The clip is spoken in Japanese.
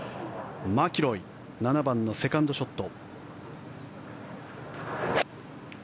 マキロイ７番のセカンドショット。